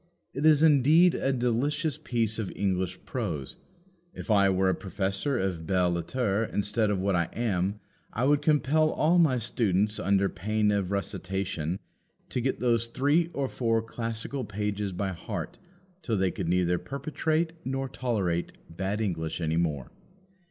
It is indeed a delicious piece of English prose. If I were a professor of belles lettres instead of what I am, I would compel all my students, under pain of rustication, to get those three or four classical pages by heart till they could neither perpetrate nor tolerate bad English any more.